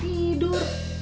dia malah tidur